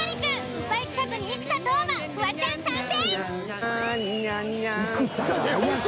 スパイ企画に生田斗真、フワちゃん参戦。